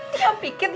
dia pikir dia gak mau